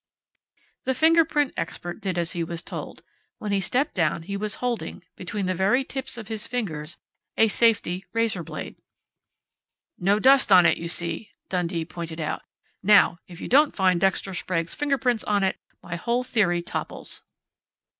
The fingerprint expert did as he was told. When he stepped down he was holding, between the very tips of his fingers, a safety razor blade. "No dust on it, you see," Dundee pointed out. "Now if you don't find Dexter Sprague's fingerprints on it, my whole theory topples."